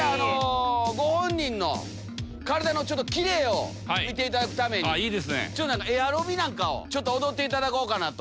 ご本人の体の切れを見ていただくためにエアロビなんかを踊っていただこうかなと。